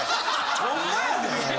ホンマやで。